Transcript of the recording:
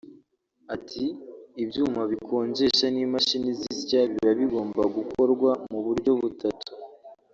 Ati “ Ibyuma bikonjesha n’imashini zisya biba bigomba gukorwa mu buryo butatu